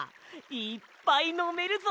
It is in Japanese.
いっぱいのめるぞ！